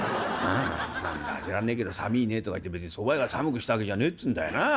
「何だか知らねえけど『さみいね』とか言って別にそば屋が寒くした訳じゃねえっつうんだよな。